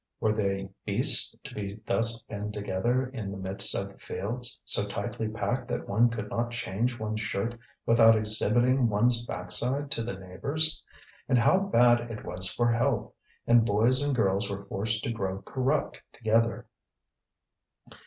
Were they beasts to be thus penned together in the midst of the fields, so tightly packed that one could not change one's shirt without exhibiting one's backside to the neighbours? And how bad it was for health; and boys and girls were forced to grow corrupt together.